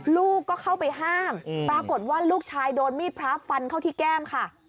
ลูกก็เข้าไปห้ามปรากฏว่าลูกชายโดนมีดพระฟันเข้าที่แก้มค่ะ